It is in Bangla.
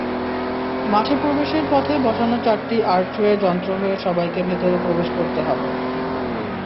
মাঠে প্রবেশের পথে বসানো চারটি আর্চওয়ে যন্ত্র হয়ে সবাইকে ভেতরে প্রবেশ করতে হবে।